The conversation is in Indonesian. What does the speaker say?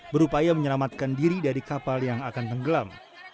berupaya menyelamatkan diri dari kapal yang akan tenggelam